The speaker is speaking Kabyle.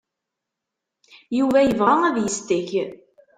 Yuba yebɣa ad yesteg.